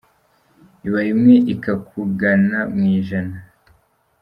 Iba imwe ikakugana mu ijana.